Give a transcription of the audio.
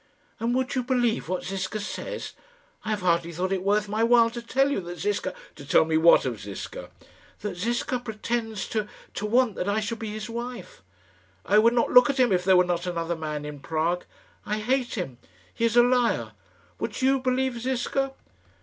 "And would you believe what Ziska says? I have hardly thought it worth my while to tell you that Ziska " "To tell me what of Ziska?" "That Ziska pretends to to want that I should be his wife. I would not look at him if there were not another man in Prague. I hate him. He is a liar. Would you believe Ziska?"